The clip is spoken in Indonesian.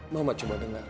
mama cuma dengar itu